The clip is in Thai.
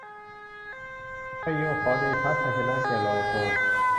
ไชโยขอเดชะ ชัยชนะแก่โลโภ